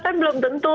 kan belum tentu